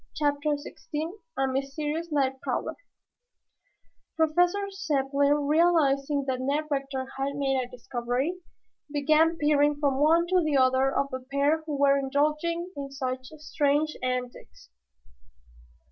CHAPTER XVI A MYSTERIOUS NIGHT PROWLER Professor Zepplin, realizing that Ned Rector had made a discovery, began peering from one to the other of the pair who were indulging in such strange antics.